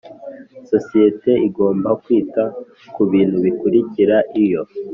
Sosiyete igomba kwita ku bintu bikurikira iyo